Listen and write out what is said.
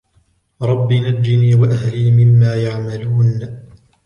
رَبِّ نَجِّنِي وَأَهْلِي مِمَّا يَعْمَلُونَ